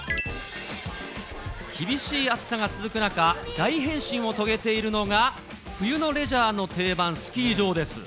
厳しい暑さが続く中、大変身を遂げているのが、冬のレジャーの定番、スキー場です。